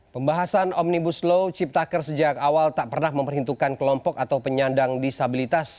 pembahasan omnibus law ciptaker sejak awal tak pernah memperhitungkan kelompok atau penyandang disabilitas